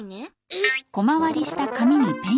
えっ。